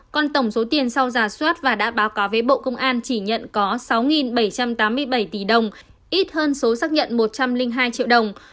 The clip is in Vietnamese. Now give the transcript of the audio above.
còn tổng số tiền sau giả soát và đã báo cáo với bộ công an chỉ nhận có sáu bảy trăm tám mươi bảy tỷ đồng ít hơn số xác nhận một trăm linh hai triệu đồng